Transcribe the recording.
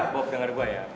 bob denger gue ya